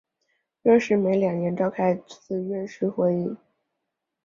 院士每两年召开一次院士会议。